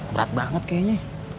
berat banget kayaknya